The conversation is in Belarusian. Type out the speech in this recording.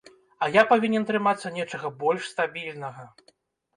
А я павінен трымацца нечага больш стабільнага.